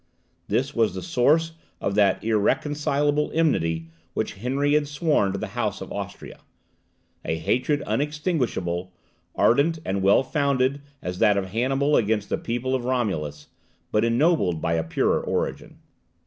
This was the source of that irreconcileable enmity which Henry had sworn to the House of Austria, a hatred unextinguishable, ardent, and well founded as that of Hannibal against the people of Romulus, but ennobled by a purer origin.